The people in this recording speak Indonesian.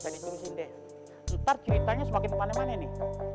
ntar ceritanya semakin temanemane nih